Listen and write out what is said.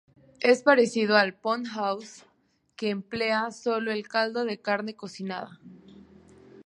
Es parecido al "pon haus", que emplea solo el caldo de carne cocinada.